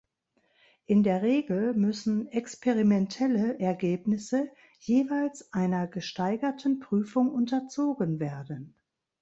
In der Regel müssen experimentelle Ergebnisse jeweils einer gesteigerten Prüfung unterzogen werden.